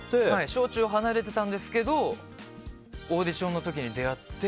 小中離れてたんですけどオーディションの時に出会って。